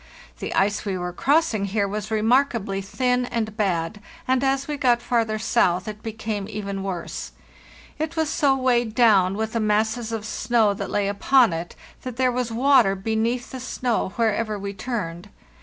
The ice we were crossing here was remarkably thin and bad, and as we got farther south it became even worse. It was so weighed down with the masses of snow that lay upon it that there was water beneath the snow wherever we turned.